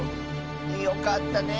よかったね！